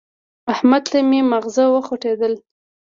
احمد ته مې ماغزه وخوټېدل.